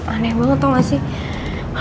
aneh banget tau gak sih